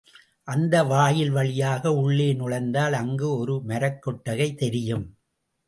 அந்த வாயில் வழியாக உள்ளே நுழைந்தால், அங்கு ஒரு மரக்கொட்டகை தெரியும்.